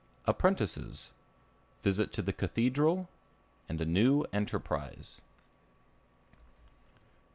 Apprentices. Visit to the Cathedral. A New Enterprise.